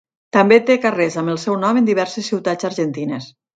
També té carrers amb el seu nom en diverses ciutats argentines.